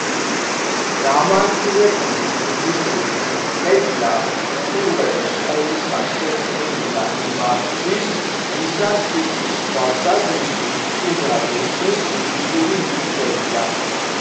გამარტივებული ინგლისური ვიკიპედია, უპირველეს ყოვლისა, შექმნილია იმათთვის, ვისაც კითხვის თვალსაზრისით ცუდად ესმის ინგლისური ვიკიპედია.